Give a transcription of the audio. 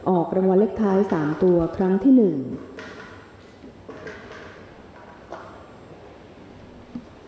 ออกกลางวันเล็กท้าย๓ตัวครั้งที่๒ค่ะ